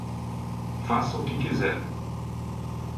Faça o que quiser.